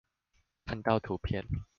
看到圖片